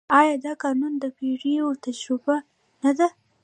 آیا دا قانون د پېړیو تجربه نه ده؟